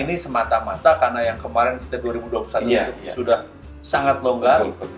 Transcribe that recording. ini semata mata karena yang kemarin kita dua ribu dua puluh satu sudah sangat longgar